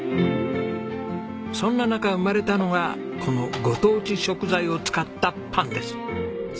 そんな中生まれたのがこのご当地食材を使ったパンです。